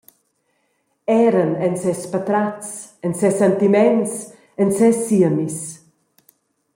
Eran en ses patratgs, en ses sentiments, en ses siemis.